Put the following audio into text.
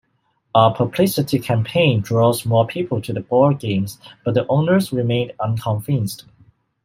A publicity campaign draws more people to the ballgames, but the owners remain unconvinced.